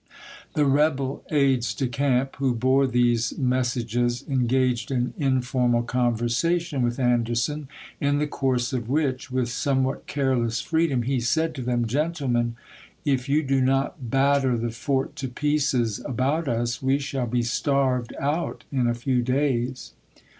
The rebel aides de camp who bore these messages en gaged in informal conversation with Anderson, in Leif aud ^ho courso of which, with somewhat careless free ^AcS Gen.'' ^^m, he said to them :" Gentlemen, if you do not Api°u?i86i. batter the fort to pieces about us, we shall be V^T T> Vol I., p. 59. ■ starved out in a few days."